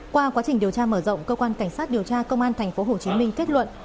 qua quá trình điều tra mở rộng cơ quan cảnh sát điều tra công an tp hcm kết luận